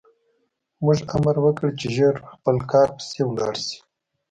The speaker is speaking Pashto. موږ امر وکړ چې ژر خپل کار پسې لاړ شي